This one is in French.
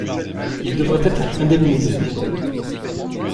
Il devrait être indemnisé.